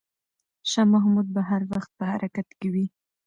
شاه محمود به هر وخت په حرکت کې وي.